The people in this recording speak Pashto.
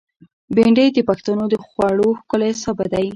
بېنډۍ د پښتنو خوړو ښکلی سابه دی